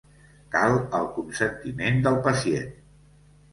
Cal el consentiment del pacient.